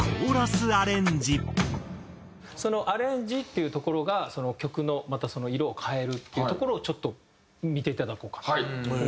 そのアレンジっていうところが曲のまた色を変えるっていうところをちょっと見ていただこうかと思いまして。